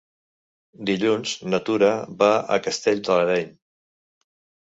Dilluns na Tura va a Castell de l'Areny.